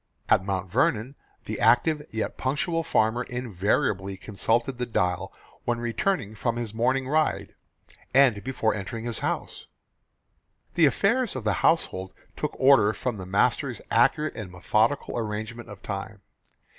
At Mount Vernon the active yet punctual farmer invariably consulted the dial when returning from his morning ride, and before entering his house. The affairs of the household took order from the master's accurate and methodical arrangement of time.